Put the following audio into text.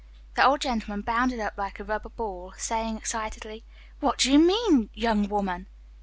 The old gentleman bounded up like a rubber ball, saying excitedly, "What do you mean, young woman?"